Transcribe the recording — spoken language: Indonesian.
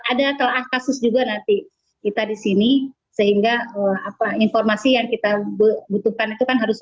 ada kelahas kasus juga nanti kita disini sehingga apa informasi yang kita butuhkan itu kan harus